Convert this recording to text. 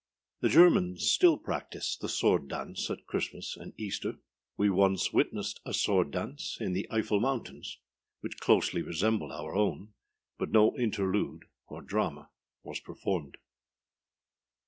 The Germans still practise the Sword Dance at Christmas and Easter. We once witnessed a Sword Dance in the Eifel mountains, which closely resembled our own, but no interlude, or drama, was performed.